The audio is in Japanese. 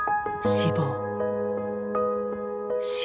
「死亡」。